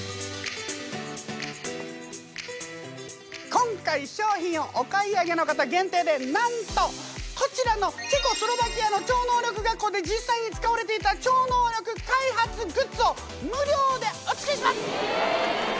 今回商品をお買い上げの方限定でなんとこちらのチェコスロバキアの超能力学校で実際に使われていた超能力開発グッズを無料でおつけします！